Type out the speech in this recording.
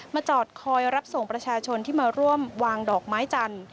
จอดคอยรับส่งประชาชนที่มาร่วมวางดอกไม้จันทร์